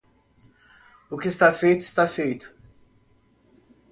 O que está feito está feito